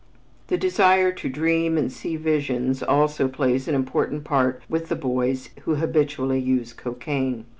The desire to dream and see visions also plays an important part with the boys who habitually use cocaine.